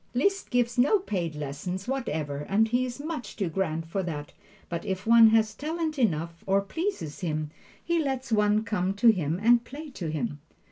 Liszt gives no paid lessons whatever, as he is much too grand for that, but if one has talent enough, or pleases him, he lets one come to him and play to him.